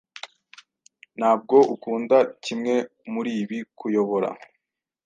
Ntabwo ukunda kimwe muribi _kuyobora